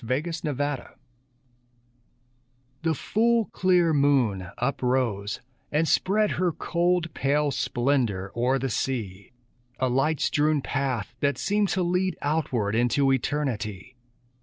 THE MOON PATH The full, clear moon uprose and spread Her cold, pale splendor o'er the sea; A light strewn path that seemed to lead Outward into eternity.